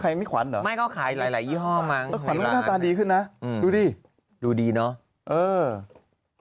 ใครมีขวัญหรอไม่ก็ขายหลายยี่ห้อมั้งดีขึ้นนะดูดีดูดีเนาะ